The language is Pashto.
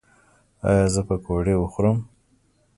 ایا زه پکوړې وخورم؟